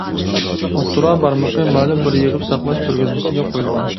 ئوتتۇرا بارمىقى مەلۇم بىر يىغىپ ساقلاش كۆرگەزمىسىگە قويۇلغان.